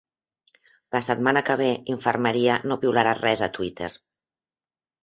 La setmana que ve, Infermeria no piularà res a Twitter.